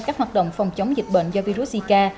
các hoạt động phòng chống dịch bệnh do virus zika